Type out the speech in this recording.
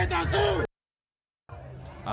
พวกคุณโกรธปลอม